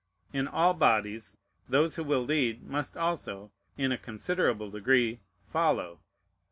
In all bodies, those who will lead must also, in a considerable degree, follow.